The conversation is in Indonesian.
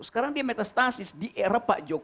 sekarang dia metastasis di era pak jokowi